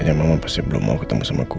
kayaknya mama pasti belum mau ketemu sama gue